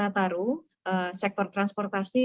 taru sektor transportasi